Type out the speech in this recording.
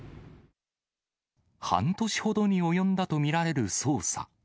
半年ほどに及んだと見られる捜査。